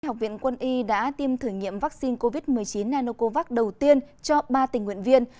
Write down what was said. học viện quân y đã tiêm thử nghiệm vaccine covid một mươi chín nanocovax đầu tiên cho ba tình nguyện viên